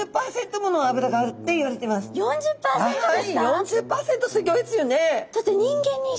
４０％すギョいですよね。